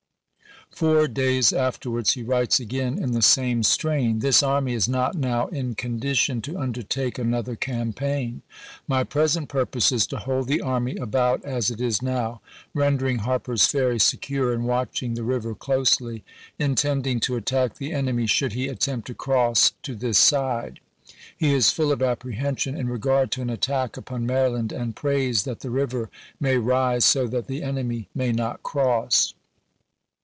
Four days afterwards he wi'ites again in the same strain :" This army is not now in condition to undertake another campaign. .. My present purpose is to hold the army about as it is now, rendering Harper's Ferry secure and watching the river closely, intending to attack the enemy should he attempt to cross to this side." He is full of appre hension in regard to an attack upon Maryland and prays that the river may rise so that the enemy Ibid., , pp. 70, 71. may not cross.